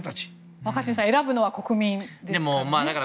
若新さん選ぶのは国民ですからね。